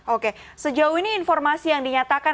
oke sejauh ini informasi yang dinyatakan